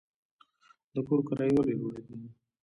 د کور کرایې ولې لوړې دي؟